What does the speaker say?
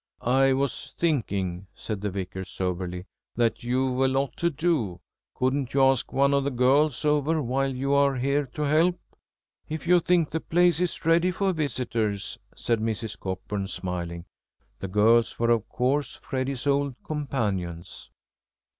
"I was thinking," said the Vicar soberly, "that you've a lot to do. Couldn't you ask one of the girls over while you are here to help?" "If you think the place is ready for visitors," said Mrs. Cockburn, smiling. The girls were, of course, Freddy's old companions.